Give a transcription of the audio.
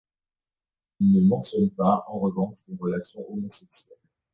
Il ne mentionne pas, en revanche, les relations homosexuelles.